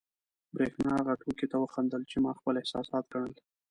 برېښنا هغې ټوکې ته وخندل، چې ما خپل احساسات ګڼل.